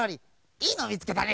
いいのみつけたね！